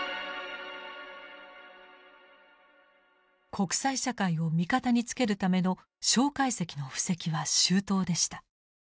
国際社会を味方につけるための介石の布石は周到でした。